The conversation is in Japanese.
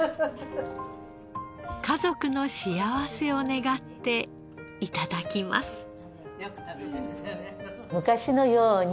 家族の幸せを願って頂きます。